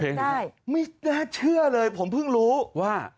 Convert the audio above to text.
ได้ไม่น่าเชื่อเลยผมเพิ่งรู้ว่า